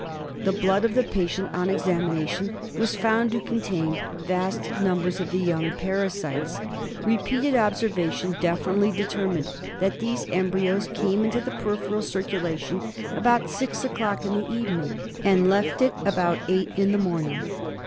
The blood of the patient on examination was found to contain vast numbers of the young parasites. Repeated observation definitely determined that these embryos came into the peripheral circulation about six in the evening and left it about eight in the morning.